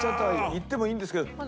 いってもいいんですけど。